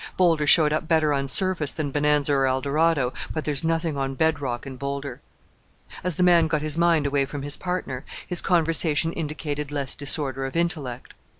Boulder showed up better on surface than Bonanza or Eldorado, but there's nothing on bed rock in Boulder." As the man got his mind away from his partner, his conversation indicated less disorder of intellect.